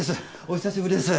お久しぶりです。